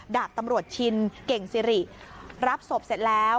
ดาบตำรวจชินเก่งสิริรับศพเสร็จแล้ว